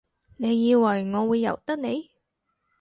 你以為我會由得你？